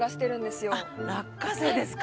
落花生ですか。